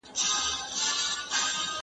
په وخت خوب کول ذهن اراموي.